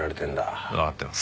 わかってます。